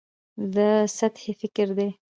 دا سطحي فکر دی.